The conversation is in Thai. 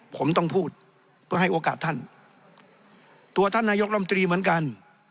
ผมต้องพูดก็ให้โอกาสท่านตัวท่านนายกรรมตรีเหมือนกัน